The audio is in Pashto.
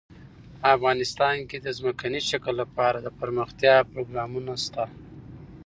افغانستان کې د ځمکنی شکل لپاره دپرمختیا پروګرامونه شته.